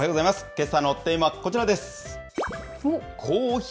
けさのテーマ、こちらです。